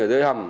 ở dưới hầm